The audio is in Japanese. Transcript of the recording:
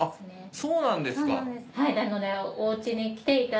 そうなんです。